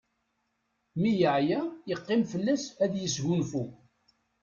Mi yeɛya yeqqim fell-as ad yesgunfu.